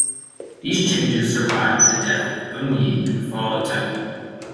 These changes survived the death of Gung Ye and the fall of Taebong.